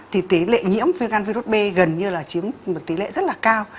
thì tỷ lệ nhiễm viêm gan virus b gần như là chiếm một tỷ lệ rất là cao